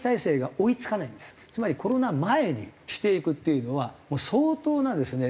つまりコロナ前にしていくっていうのは相当なですね